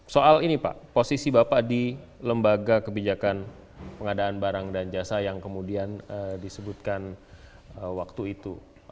soal ini pak posisi bapak di lembaga kebijakan pengadaan barang dan jasa yang kemudian disebutkan waktu itu